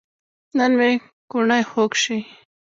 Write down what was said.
نن مې کوڼۍ خوږ شي